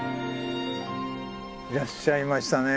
いらっしゃいましたね。